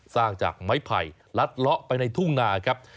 สร้างจากไม้ไผ่ลัดเลาะไปในทุ่งนาครับ